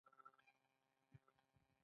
دلته د خان او غریب ترمنځ فرق نه و.